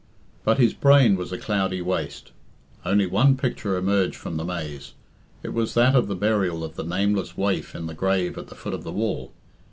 But his brain was a cloudy waste. Only one picture emerged from the maze. It was that of the burial of the nameless waif in the grave at the foot of the wall.